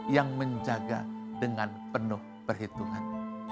yang menjaga dengan penuh perhitungan